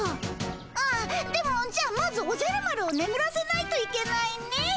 ああでもじゃあまずおじゃる丸をねむらせないといけないねえ。